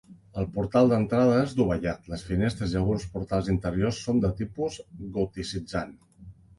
El portal d'entrada és dovellat, les finestres i alguns portals interiors són de tipus goticitzant.